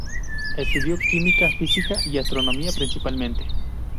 Estudió química, física y astronomía, principalmente.